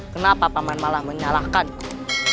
kenapa paman malah menyalahkanku